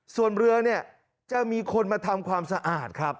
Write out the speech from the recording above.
ส่วนเรือเนี่ยจะมีคนมาทำความสะอาดครับ